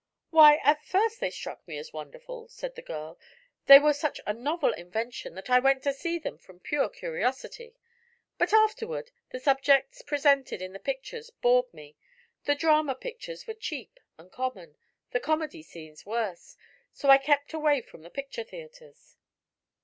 "Why, at first they struck me as wonderful," said the girl. "They were such a novel invention that I went to see them from pure curiosity. But, afterward, the subjects presented in the pictures bored me. The drama pictures were cheap and common, the comedy scenes worse; so I kept away from the picture theatres."